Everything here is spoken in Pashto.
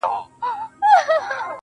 قدم اخله، قدم کيږده، قدم واخله